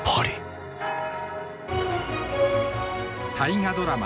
大河ドラマ